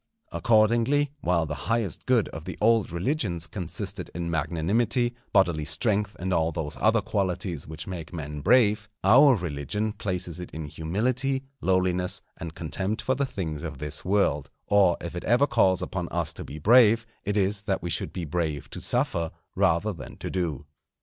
Accordingly, while the highest good of the old religions consisted in magnanimity, bodily strength, and all those other qualities which make men brave, our religion places it in humility, lowliness, and contempt for the things of this world; or if it ever calls upon us to be brave, it is that we should be brave to suffer rather than to do.